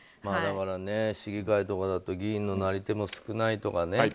だから、市議会とかだと議員のなり手も少ないとか。